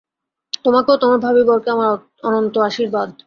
তোমাকে ও তোমার ভাবী বরকে আমার অনন্ত আশীর্বাদ।